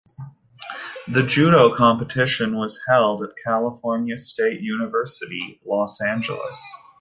The Judo competition was held at California State University, Los Angeles.